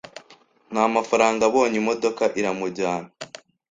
nta mafaranga abonye imodoka iramujyana